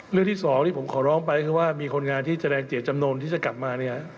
เรื่องที่สองที่ผมขอร้องไปคือว่ามีคนงานที่แสดงเจตจำนวนที่จะกลับมาเนี่ย